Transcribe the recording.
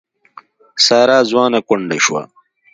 ساره ځوانه کونډه شوه.